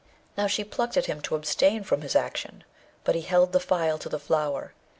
Now, she plucked at him to abstain from his action, but he held the phial to the flower.